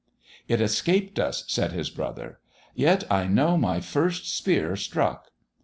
"It escaped us," said his brother. "Yet I know my first spear struck."